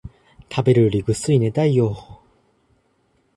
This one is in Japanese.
食べるよりぐっすり寝たいよ